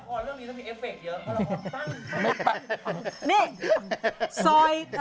ราคอนเรื่องนี้ต้องมีเอฟเฟคเยอะเพราะราคอนปัง